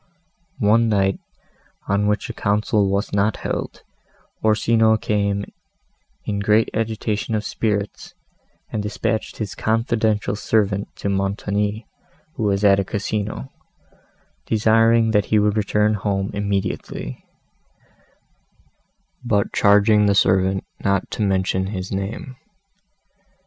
One night, on which a council was not held, Orsino came in great agitation of spirits, and dispatched his confidential servant to Montoni, who was at a Casino, desiring that he would return home immediately; but charging the servant not to mention his name.